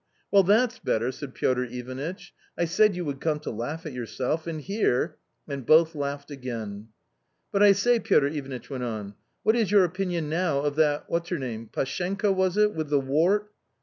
" Weil, that's better !" said Piotr Ivanitch ;" I said you would come to laugh at yourself, and here " And both laughed again. " But I say," Piotr Ivanitch went on, " what is your opinion now of that — what's her name — Pashenka, was it ?— with the wart